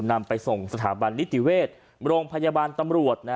นำไปส่งสถาบันนิติเวชโรงพยาบาลตำรวจ